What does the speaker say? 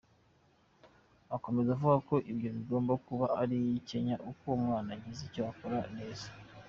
Akomeza avuga ko ibyo bitagomba kuba buri kanya uko umwana agize icyo akora neza!.